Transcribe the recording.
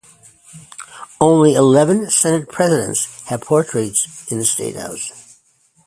Only eleven Senate Presidents have portraits in the State House.